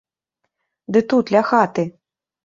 Ды тут, ля хаты.